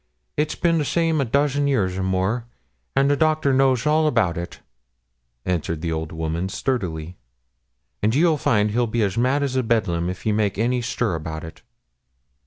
It's been the same a dozen year and more; and the doctor knows all about it,' answered the old woman sturdily. 'And ye'll find he'll be as mad as bedlam if ye make any stir about it.'